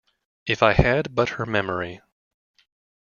If I had but her memory!